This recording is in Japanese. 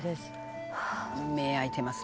「目開いてます。